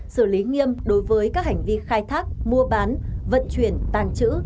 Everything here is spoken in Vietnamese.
xử lý nghiêm đối với các hành vi khai thác mua bán vận chuyển tàng trữ